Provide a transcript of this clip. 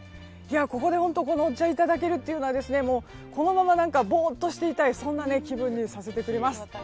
ここでこのお茶をいただけるというのはこのまま、ぼーっとしていたいそんな気分にさせてくれます。